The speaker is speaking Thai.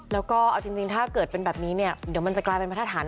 แล้วก็เอาจริงถ้าเกิดเป็นแบบนี้เนี่ยเดี๋ยวมันจะกลายเป็นบรรทฐาน